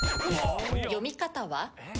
読み方は？